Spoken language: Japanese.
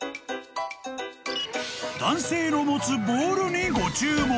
［男性の持つボールにご注目］